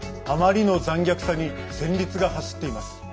あまりの残虐さに戦慄が走っています。